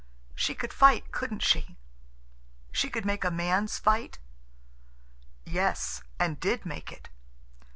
She could fight, couldn't she? She could make a man's fight?" "Yes, and did make it."